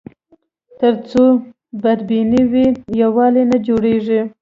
تر څو بدبیني وي، یووالی نه جوړېږي.